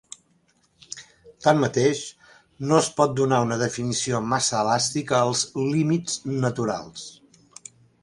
Tanmateix, no es pot donar una definició massa elàstica als "límits naturals".